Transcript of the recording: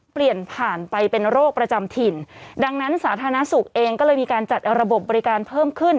เปลี่ยนผ่านไปเป็นโรคประจำถิ่นดังนั้นสาธารณสุขเองก็เลยมีการจัดระบบบบริการเพิ่มขึ้น